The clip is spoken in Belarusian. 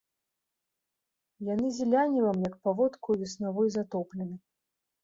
Яны зелянівам, як паводкаю веснавою, затоплены.